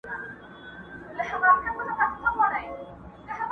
چي ته ورته دانې د عاطفې لرې که نه.